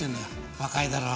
若いだろ？